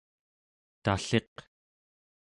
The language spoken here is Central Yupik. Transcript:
talliq